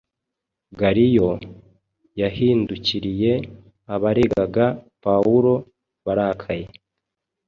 Galiyo yahindukiriye abaregaga Pawulo barakaye,